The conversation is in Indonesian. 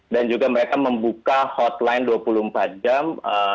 dan juga mereka membuka hotline dua puluh empat jam